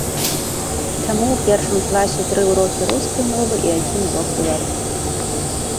Таму у першым класе тры ўрокі рускай мовы, і адзін урок беларускай.